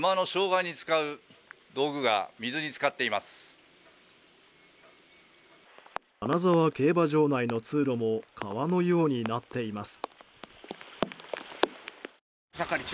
金沢競馬場内の通路も川のようになっています。